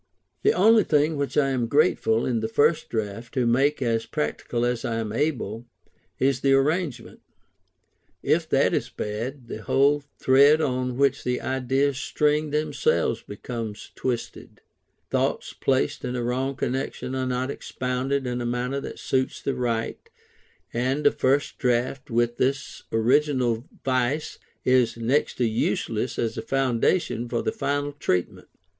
The only thing which I am careful, in the first draft, to make as perfect as I am able, is the arrangement. If that is bad, the whole thread on which the ideas string themselves becomes twisted; thoughts placed in a wrong connection are not expounded in a manner that suits the right, and a first draft with this original vice is next to useless as a foundation for the final treatment.